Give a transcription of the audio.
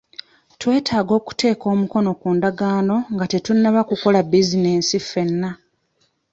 Twetaaga okuteeka omukono ku ndagaano nga tetunnaba kukola bizinesi ffenna.